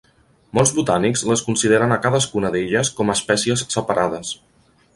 Molts botànics les consideren a cadascuna d'elles com a espècies separades.